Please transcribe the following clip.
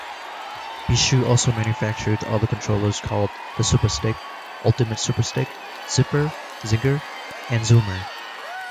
Beeshu also manufactured other controllers called the Superstick, Ultimate Superstick, Zipper, Zinger, and Zoomer.